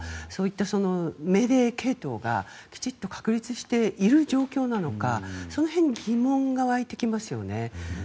そういった命令系統がきちっと確立している状況なのかその辺疑問が湧いてきますよね。